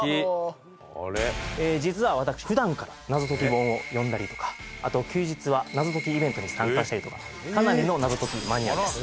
実は私普段から謎解き本を読んだりとかあと休日は謎解きイベントに参加したりとかかなりの謎解きマニアです。